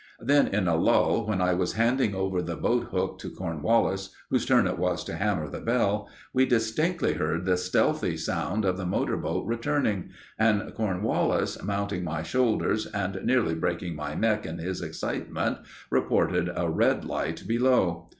Then, in a lull, when I was handing over the boat hook to Cornwallis, whose turn it was to hammer the bell, we distinctly heard the stealthy sound of the motor boat returning, and Cornwallis, mounting my shoulders, and nearly breaking my neck in his excitement, reported a red light below.